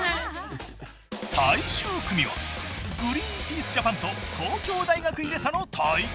最終組はグリーンピース・ジャパンと東京大学ＩＲＥＳＡの対決。